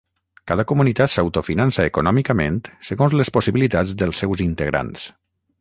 Cada comunitat s'autofinança econòmicament segons les possibilitats dels seus integrants.